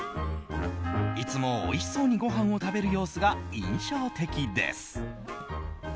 いつもおいしそうにごはんを食べる様子が印象的です。